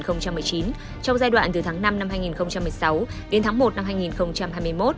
trong giai đoạn từ tháng năm năm hai nghìn một mươi sáu đến tháng một năm hai nghìn hai mươi một